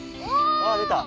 あっ出た！